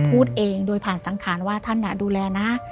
พูดเองโดยผ่านสังขารว่าท่านดูแลนะ